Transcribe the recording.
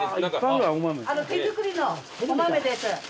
手作りのお豆です。